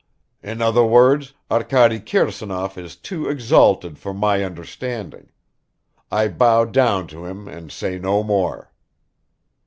"In other words, Arkady Kirsanov is too exalted for my understanding. I bow down to him and say no more."